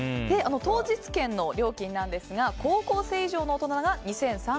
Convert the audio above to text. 当日券の料金ですが高校生以上の大人が２３００円